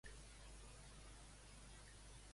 És l'Enantyum el que em prenc abans d'anar a dormir?